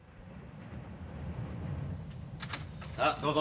さあどうぞ。